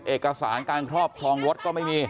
เอกสารการครอบครองรถก็ไม่มี